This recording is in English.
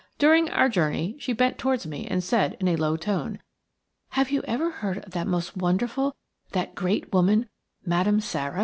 During our journey she bent towards me and said, in a low tone:– "Have you ever heard of that most wonderful, that great woman, Madame Sara?"